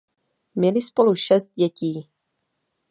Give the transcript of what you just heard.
Měli spolu šest dětí.